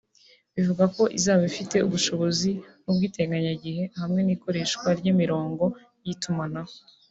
bivuga ko izaba ifite ubushobozi nk’ubw’iteganyagihe hamwe n’ikoreshwa ry’imirongo y’itumanaho